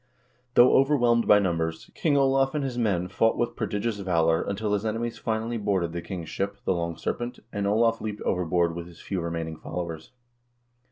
Though overwhelmed by numbers, King Olav and his men fought with prodigious valor until his enemies finally boarded the king's ship, the "Long Serpent," and Olav leaped over board with his few remaining followers.